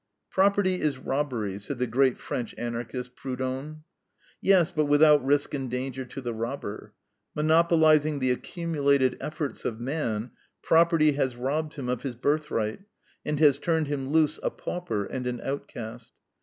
"Property is robbery," said the great French Anarchist, Proudhon. Yes, but without risk and danger to the robber. Monopolizing the accumulated efforts of man, property has robbed him of his birthright, and has turned him loose a pauper and an outcast.